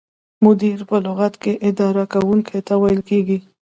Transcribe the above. مدیر په لغت کې اداره کوونکي ته ویل کیږي.